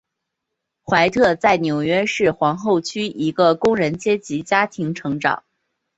怀特在纽约市皇后区一个工人阶级家庭成长。